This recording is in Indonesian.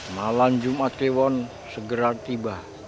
malam jumat dewan segera tiba